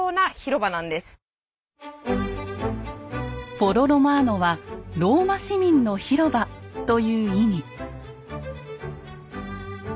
フォロ・ロマーノは「ローマ市民の広場」という意味。